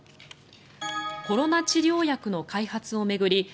コロナ治療薬の開発を巡り